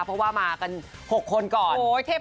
เพราะว่ามากัน๖คนก่อน